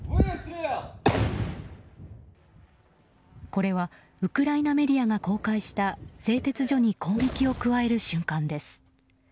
これはウクライナメディアが公開した製鉄所に攻撃を加える瞬間です。